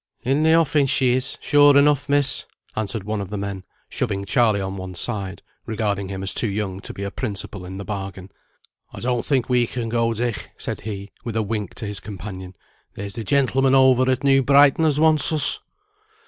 "In the offing she is, sure enough, miss," answered one of the men, shoving Charley on one side, regarding him as too young to be a principal in the bargain. "I don't think we can go, Dick," said he, with a wink to his companion; "there's the gentleman over at New Brighton as wants us."